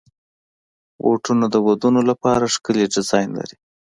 بوټونه د ودونو لپاره ښکلي ډیزاین لري.